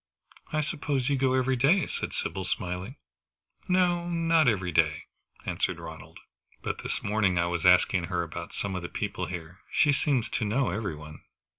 "I suppose you go every day," said Sybil, smiling. "No not every day," answered Ronald. "But this morning I was asking her about some of the people here. She seems to know every one."